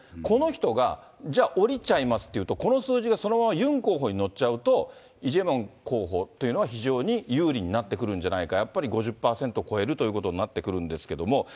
この人がじゃあ、おりちゃいますって言うと、この数字がそのままユン候補に乗っちゃうと、イ・ジェミョン候補というのは非常に有利になってくるんじゃないか、やっぱり５０％を超えるということになってくるんですけれども。